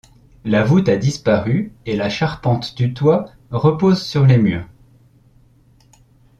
La voûte a disparu et la charpente du toit repose sur les murs.